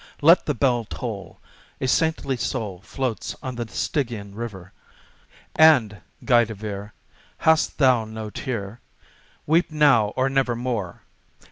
Let the bell toll! a saintly soul floats on the Stygian river; And, Guy De Vere, halt thou no tear? weep now or never more!